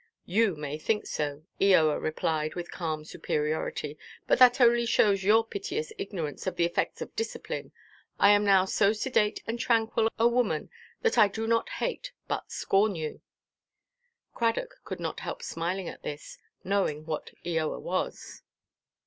"You may think so," Eoa replied, with calm superiority; "but that only shows your piteous ignorance of the effects of discipline. I am now so sedate and tranquil a woman, that I do not hate, but scorn you." Cradock could not help smiling at this, knowing what Eoa was.